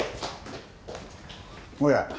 おや。